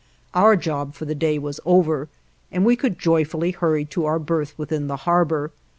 Our job for the day was over, and we could joyfully hurry to our berth within the harbor.